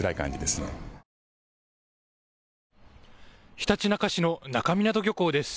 ひたちなか市の那珂湊漁港です。